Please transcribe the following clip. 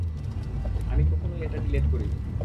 আমি কখনোই এটা ডিলেট করিনি।